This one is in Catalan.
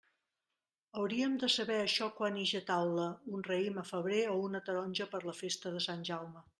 Hauríem de saber això quan ix a taula un raïm a febrer o una taronja per la festa de Sant Jaume.